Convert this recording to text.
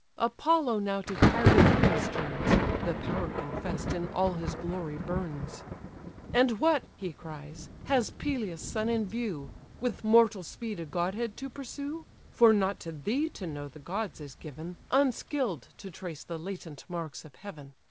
Apollo now to tired Achilles turns: (The power confess'd in all his glory burns:) "And what (he cries) has Peleus' son in view, With mortal speed a godhead to pursue? For not to thee to know the gods is given, Unskill'd to trace the latent marks of heaven.